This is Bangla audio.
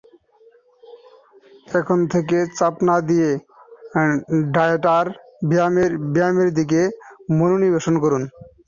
এখন থেকে, চাপ না নিয়ে ডায়েট আর ব্যায়ামের দিকে মনোনিবেশ করুন।